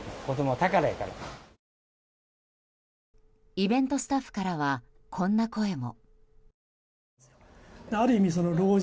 イベントスタッフからはこんな声も。